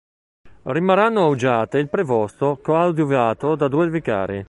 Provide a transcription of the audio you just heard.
Rimarranno a Uggiate il prevosto coadiuvato da due vicari.